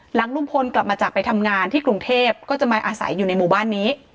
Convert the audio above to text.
หลังลุงพลกลับมาจากไปทำงานที่กรุงเทพก็จะมาอาศัยอยู่ในหมู่บ้านนี้